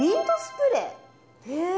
へえ。